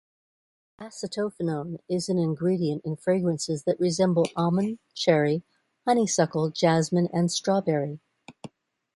Acetophenone is an ingredient in fragrances that resemble almond, cherry, honeysuckle, jasmine, and strawberry.